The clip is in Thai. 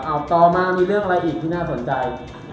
เอาต่อมามีเรื่องอะไรอีกที่น่าสนใจ